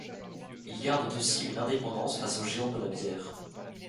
Ils gardent aussi une indépendance face aux géants de la bière.